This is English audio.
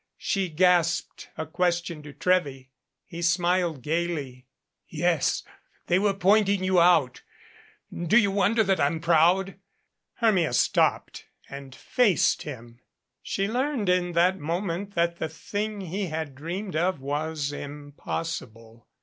She gasped a question to Trewy. He smiled gaily. "Yes they were pointing you out. Do you wonder that I'm proud?" Hermia stopped and faced him. She learned in that moment that the thing he had dreamed was impossible.